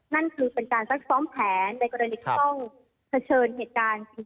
นั่นคือเป็นการซักซ้อมแผนในกรณีที่ต้องเผชิญเหตุการณ์จริง